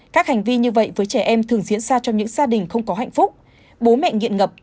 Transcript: các hành vi như vậy với trẻ em thường diễn ra trong những gia đình không có hạnh phúc bố mẹ nghiện ngập